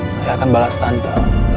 saya akan balas tante